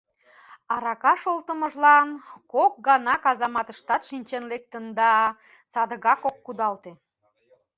Арака шолтымыжлан кок гана казаматыштат шинчен лектын да... садыгак ок кудалте...